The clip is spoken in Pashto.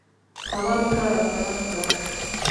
هوا دومره راسړه نه کړه.